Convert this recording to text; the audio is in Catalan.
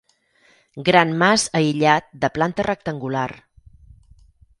Gran mas aïllat, de planta rectangular.